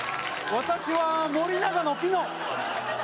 私は森永のピノ